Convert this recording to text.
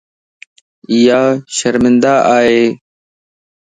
ايا شرمندا ائي.